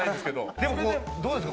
でもどうですか？